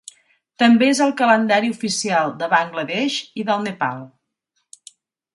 També és el calendari oficial de Bangla Desh i del Nepal.